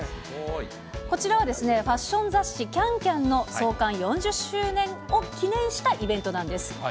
こちらは、ファッション雑誌、キャンキャンの創刊４０周年を記念したイベントなんです。